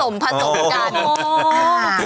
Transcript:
ผสมจ้ะ